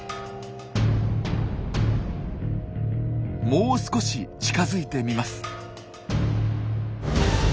もう少し近づいてみます。